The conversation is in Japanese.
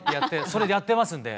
それやってますんで。